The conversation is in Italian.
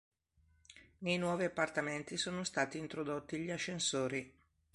Nei nuovi appartamenti sono stati introdotti gli ascensori.